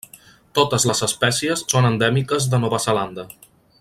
Totes les espècies són endèmiques de Nova Zelanda.